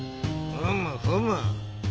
ふむふむ。